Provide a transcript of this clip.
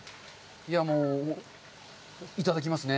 もう、いただきますね。